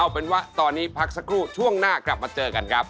เอาเป็นว่าตอนนี้พักสักครู่ช่วงหน้ากลับมาเจอกันครับ